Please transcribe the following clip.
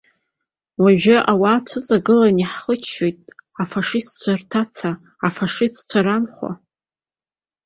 Уажәы ауаа цәыҵагыланы иаҳхыччоит, афашистцәа рҭаца, афашистцәа ранхәа.